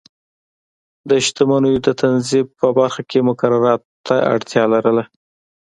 د شتمنیو د تنظیم په برخه کې مقرراتو ته اړتیا لرله.